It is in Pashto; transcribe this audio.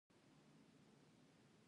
په افغانستان کې د دښتو منابع شته.